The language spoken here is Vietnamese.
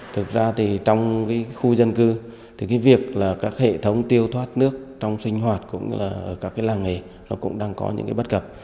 thực ra trong khu dân cư việc các hệ thống tiêu thoát nước trong sinh hoạt cũng như là các làng nghề cũng đang có những bất cập